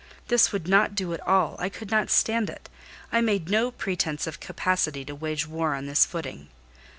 This would not do at all; I could not stand it: I made no pretence of capacity to wage war on this footing.